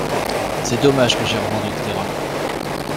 C’est dommage que j’aie revendu le terrain.